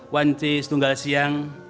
wanci stunggal siang